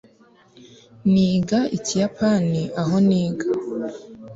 niga ikiyapani aho niga